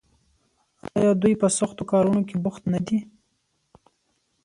آیا دوی په سختو کارونو کې بوخت نه دي؟